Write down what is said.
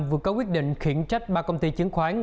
vừa có quyết định khiển trách ba công ty chứng khoán